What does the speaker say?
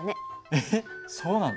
えっそうなの？